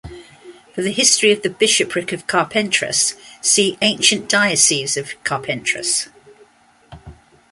For the history of the bishopric of Carpentras, see Ancient Diocese of Carpentras.